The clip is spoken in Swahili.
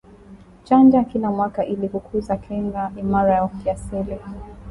Chanja kila mwaka ili kukuza kinga imara ya kiasili